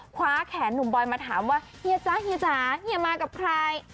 คว้าแขนหนุ่มบอยมาถามว่าเฮียจ๊ะเฮียจ๋าเฮียมากับใคร